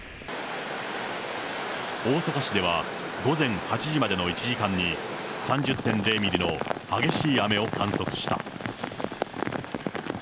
大阪市では午前８時までの１時間に３０．０ミリの激しい雨を観測した。